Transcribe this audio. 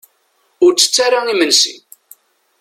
Ur ttett ara imensi.